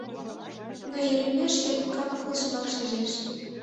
Но Еремей шке кап-кылжымак шижеш.